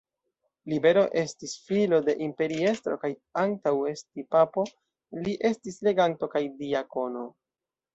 Libero estis filo de imperiestro kaj antaŭ esti papo, li estis leganto kaj diakono.